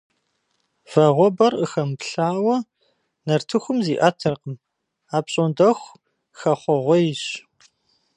Вагъуэбэр къыхэмыплъауэ нартыхум зиӏэтыркъым, апщӏондэху хэхъуэгъуейщ.